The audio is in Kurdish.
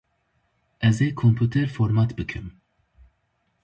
Ezê komputer format bikim.